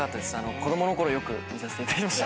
子供のころよく見させていただきました。